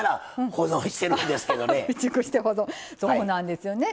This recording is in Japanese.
そうなんですよね。